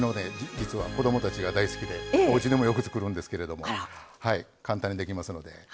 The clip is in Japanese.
実は子どもたちが大好きでおうちでもよく作るんですけれども簡単にできますので。